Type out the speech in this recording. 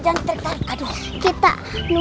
buat tik partners gitu